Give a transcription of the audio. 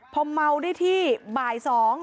พอเมาได้ที่บ่าย๒